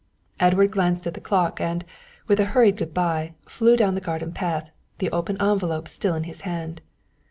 Edward glanced at the clock, and, with a hurried good bye, flew down the garden path, the open envelope still in his hand.